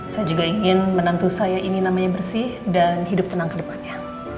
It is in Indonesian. saya juga ingin menantu saya ini namanya bersih dan hidup tenang ke depannya